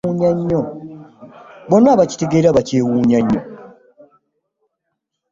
Bonna abaakitegeera baakyewuunya nnyo.